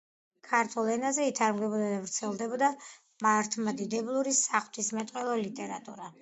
ქართულ ენაზე ითარგმნებოდა და ვრცელდებოდა მართლმადიდებლური საღვთისმეტყველო ლიტერატურა.